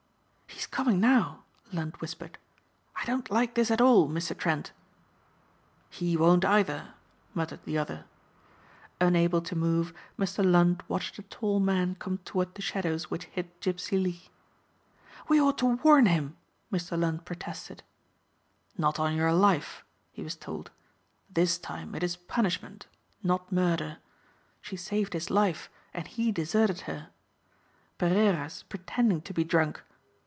"He's coming now," Lund whispered. "I don't like this at all, Mr. Trent." "He won't either," muttered the other. Unable to move Mr. Lund watched a tall man come toward the shadows which hid Gipsey Lee. "We ought to warn him," Mr. Lund protested. "Not on your life," he was told. "This time it is punishment, not murder. She saved his life and he deserted her. Pereira's pretending to be drunk.